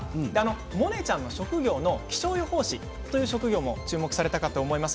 モネちゃんの職業の気象予報士という職業も注目されたと思います。